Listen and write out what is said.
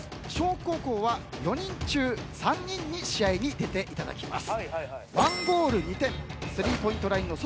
北高校は４人中３人に試合に出ていただきます。